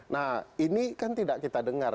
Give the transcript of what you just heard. nah ini kan tidak kita dengar